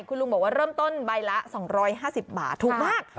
คุณลุงบอกว่าเริ่มต้นใบละ๒๕๐บาทถูกมาก